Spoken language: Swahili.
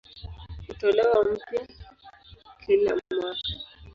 Hutolewa upya kila mwaka.